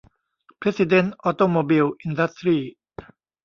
เพรสซิเด้นท์ ออโตโมบิล อินดัสทรีส์